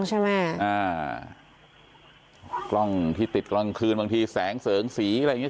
ใช่ไหมอ่ากล้องที่ติดกลางคืนบางทีแสงเสริงสีอะไรอย่างเง